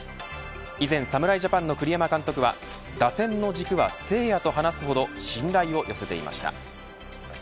以前、侍ジャパンの栗山監督は打線の軸は誠也と話すほど信頼を寄せていました。